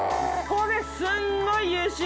これすんごい優秀！